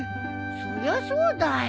そりゃそうだよ。